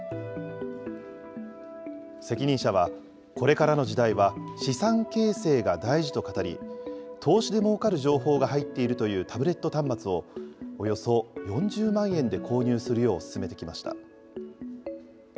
責任者は、これからの時代は資産形成が大事と語り、投資でもうかる情報が入っているというタブレット端末を、およそ４０万円で購入するよう勧めてきました。